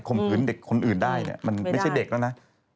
ข่มขืนคนอื่นได้มันไม่ใช่เด็กแล้วนะ